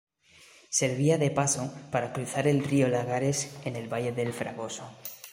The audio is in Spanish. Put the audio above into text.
Servía de paso para cruzar el río Lagares en el Valle del Fragoso.